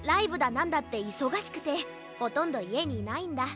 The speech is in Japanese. なんだっていそがしくてほとんどいえにいないんだ。